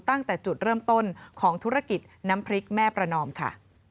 ตั้งแต่จุดเริ่มต้นของธุรกิจน้ำพริกแม่ประนอมค่ะ